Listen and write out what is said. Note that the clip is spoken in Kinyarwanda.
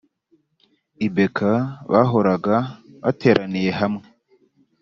ibk bahoraga bateraniye hamwe